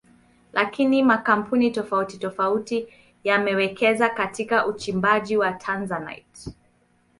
Lakini makampuni tofauti tofauti yamewekeza katika uchimbaji wa Tanzanite